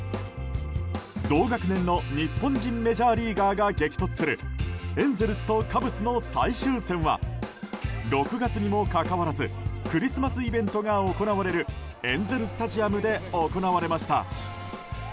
同学年の日本人メジャーリーガーが激突するエンゼルスとカブスの最終戦は６月にもかかわらずクリスマスイベントが行われるエンゼル・スタジアムで行われました。